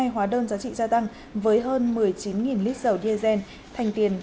một trăm bốn mươi hai hóa đơn giá trị gia tăng với hơn một mươi chín lít dầu diesel